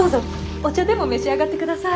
お茶でも召し上がってください。